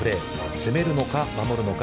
攻めるのか守るのか